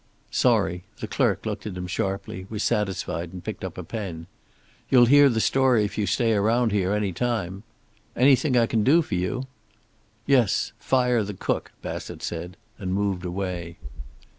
"Sorry." The clerk looked at him sharply, was satisfied, and picked up a pen. "You'll hear the story if you stay around here any time. Anything I can do for you?" "Yes. Fire the cook," Bassett said, and moved away.